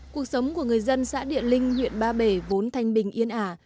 cuộc sống của người dân xã địa linh huyện ba bể vốn thanh bình yên ả